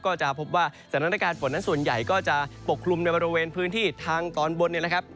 ก็จะพบว่าสถานการณ์ฝนนั้นส่วนใหญ่ก็จะปกคลุมในบริเวณพื้นที่ทางตอนบนเนี่ยนะครับ